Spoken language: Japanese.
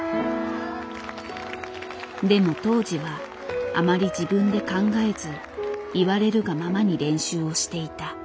でも当時はあまり自分で考えず言われるがままに練習をしていた。